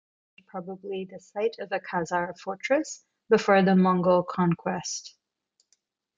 The town was probably the site of a Khazar fortress before the Mongol conquest.